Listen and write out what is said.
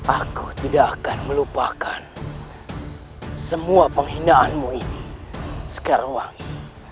aku tidak akan melupakan semua penghinaanmu ini sekarwangi